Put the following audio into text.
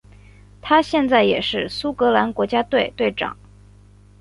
他现时也是苏格兰国家队队长。